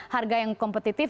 harga yang kompetitif